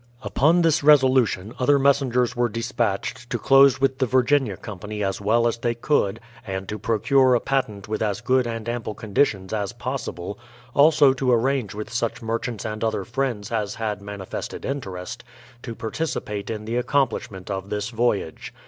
Upon this resolution other messengers were despatched to close with the Virginia Company as well as they could and to procure a patent with as good and ample conditions as possible; also to arrange with such merchants and other friends as had manifested interest, to participate in the accomplishment of this voyage.